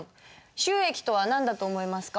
収益とは何だと思いますか？